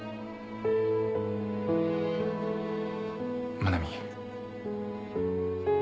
真奈美。